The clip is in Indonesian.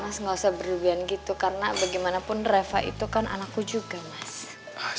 mas gak usah berlebihan gitu karena bagaimanapun reva itu kan anakku juga mas